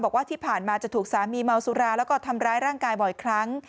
บอกว่าที่ผ่านมาจะถูกสามีเมาสุราแล้วก็ทำร้ายร่างกายบ่อยครั้ง